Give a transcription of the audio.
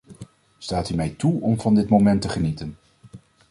Staat u mij toe om van dit moment te genieten.